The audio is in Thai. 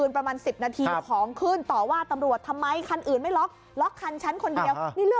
ปรากฏว่าตำรวจมาล็อกล้อ